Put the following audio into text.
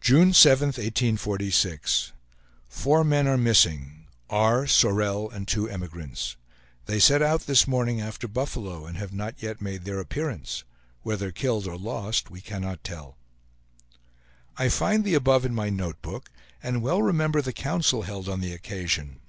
JUNE 7, 1846. Four men are missing; R., Sorel and two emigrants. They set out this morning after buffalo, and have not yet made their appearance; whether killed or lost, we cannot tell. I find the above in my notebook, and well remember the council held on the occasion.